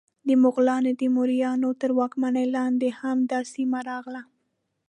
د مغولانو، تیموریانو تر واکمنۍ لاندې هم دا سیمه راغله.